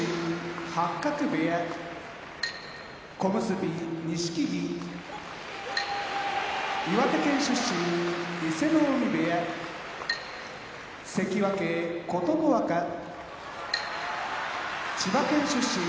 八角部屋小結・錦木岩手県出身伊勢ノ海部屋関脇・琴ノ若千葉県出身